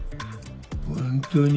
ホントに？